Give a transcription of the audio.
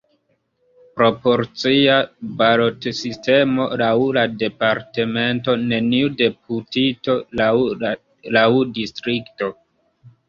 Proporcia balotsistemo laŭ departemento, neniu deputito laŭ distrikto.